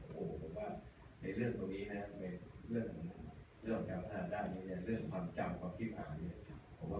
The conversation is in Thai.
ผมว่าในเรื่องตรงนี้นะในเรื่องของการประทานด้าน